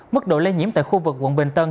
mức độ lây nhiễm tại khu vực quận bình tân